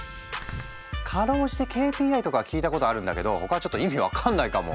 かろうじてＫＰＩとかは聞いたことあるんだけど他はちょっと意味分かんないかも。